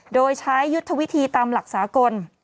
โดยใช้ยุทธวิธีตามหลักสากล